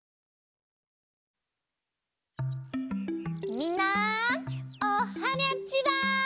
みんなおっはにゃちは！